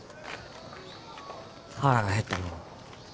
腹が減ったのう。